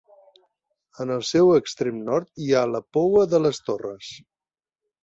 En el seu extrem nord hi ha la Poua de les Torres.